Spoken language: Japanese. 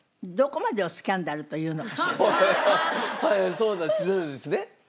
そうですね。